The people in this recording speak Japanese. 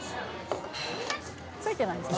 付いてないですか？